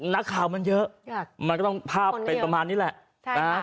นักข่าวมันเยอะมันก็ต้องภาพเป็นประมาณนี้แหละ